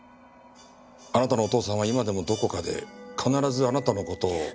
あなたのお父さんは今でもどこかで必ずあなたの事を。